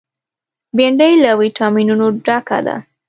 بېنډۍ له ویټامینونو ډکه ده